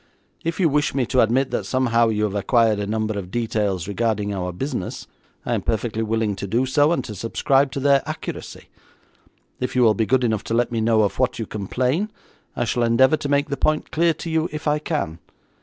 If you wish me to admit that somehow you have acquired a number of details regarding our business, I am perfectly willing to do so, and to subscribe to their accuracy. If you will be good enough to let me know of what you complain, I shall endeavour to make the point clear to you if I can.